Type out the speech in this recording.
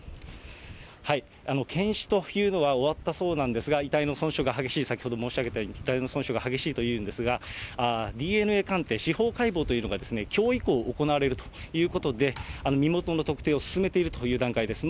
検死というのは終わったそうなんですが、遺体の損傷が激しい、先ほど申し上げたように、遺体の損傷が激しいというんですが、ＤＮＡ鑑定、司法解剖というのがきょう以降、行われるということで、身元の特定を進めているという段階です。